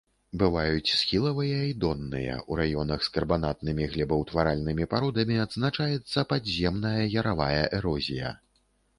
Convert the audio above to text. Бываюць схілавыя і донныя, у раёнах з карбанатнымі глебаўтваральнымі пародамі адзначаецца падземная яравая эрозія.